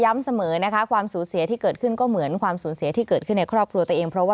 มันก็เคยเดี๋ยวมันก็เคยตัว